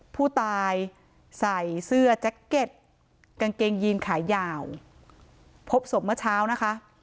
ผู้ตายใส่เสื้อแจ็คเก็ตกางเกงยีนขายาวพบศพเมื่อเช้านะคะ